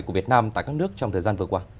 của việt nam tại các nước trong thời gian vừa qua